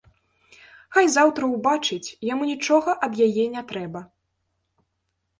Хай заўтра ўбачыць, яму нічога ад яе не трэба!